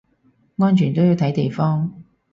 安全都要睇地方